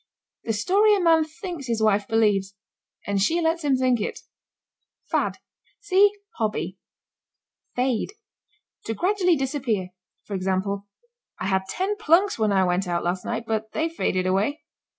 The story a man thinks his wife believes and she lets him think it. FAD. See hobby. FADE. To gradually disappear. For example: "I had ten plunks when I went out last night, but they faded away."